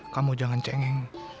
kamu jangan cengeng